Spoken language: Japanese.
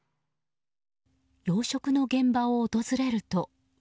養殖の現場を訪れると。